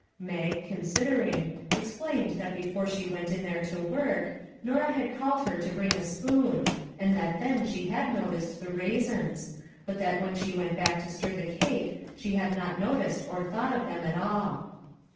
Mag, considering, explained that before she went in there to work, Norah had called her to bring a spoon, and that then she had noticed the raisins, but that when she went back to stir the cake she had not noticed or thought of them at all.